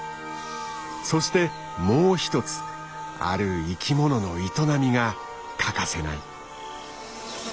そしてもう一つある生きものの営みが欠かせない。